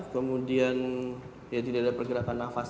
kemudian ya tidak ada pergerakan nafas